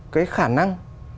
cái khả năng